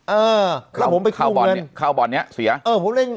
เออแล้วผมไปคู่เงินคาวบอลเนี้ยเสียเออผมเล่น